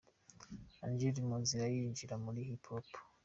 Angel mu nzira zinjira muri Hip Hop….